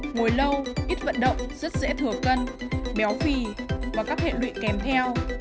ngồi lâu ít vận động rất dễ thừa cân béo phì và các hệ lụy kèm theo